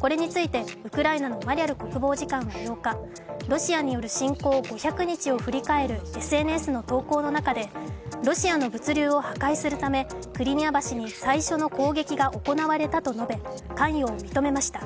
これについてウクライナのマリャル国防次官は８日、ロシアによる侵攻５００日を振り返るＳＮＳの投稿の中でロシアの物流を破壊するためクリミア橋に最初の攻撃が行われたと述べ、関与を認めました。